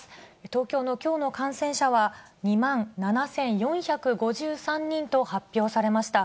東京のきょうの感染者は２万７４５３人と発表されました。